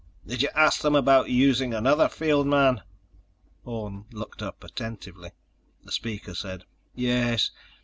"Did you ask them about using another field man?" Orne looked up attentively. The speaker said: "Yes.